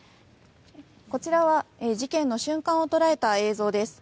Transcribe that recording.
こちらは事件の瞬間を捉えた映像です。